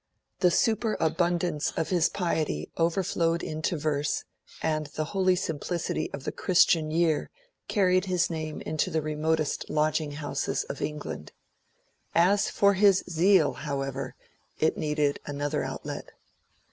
The superabundance of his piety overflowed into verse; and the holy simplicity of the Christian Year carried his name into the remotest lodging houses of England. As for his zeal, however, it needed another outlet.